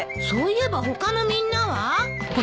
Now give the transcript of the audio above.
そういえば他のみんなは？